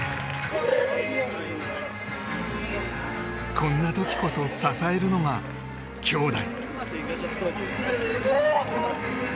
こんな時こそ支えるのが兄妹。